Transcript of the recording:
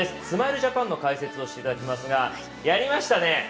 スマイルジャパンの解説をしていていただきますがやりましたね。